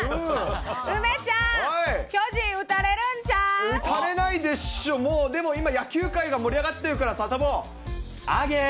梅ちゃん、打たれないでしょう、もうでも今、野球界が盛り上がっているから、サタボー、あげー。